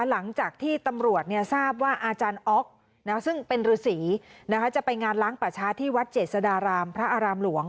หลังจากที่ตำรวจทราบว่าอาจารย์อ๊อกซึ่งเป็นฤษีจะไปงานล้างป่าช้าที่วัดเจษฎารามพระอารามหลวง